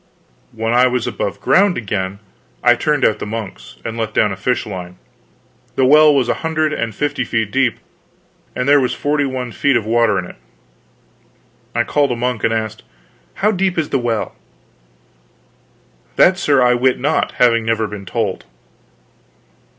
When I was above ground again, I turned out the monks, and let down a fish line; the well was a hundred and fifty feet deep, and there was forty one feet of water in it. I called in a monk and asked: "How deep is the well?" "That, sir, I wit not, having never been told."